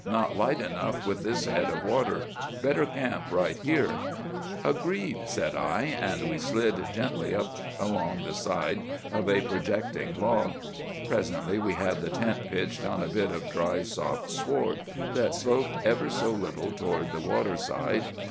Not light enough with this head of water. Better camp right here.' "'Agreed!' said I; and we slid gently up along side of a projecting log. Presently we had the tent pitched on a bit of dry, soft sward that sloped ever so little toward the waterside.